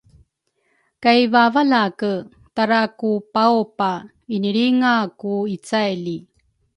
kay vavalake tara-kupa-upa inilringa ku icaily